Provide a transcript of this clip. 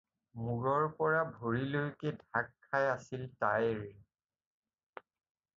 মুৰৰ পৰা ভৰিলৈকে ঢাক খাই আছিল তাইৰ।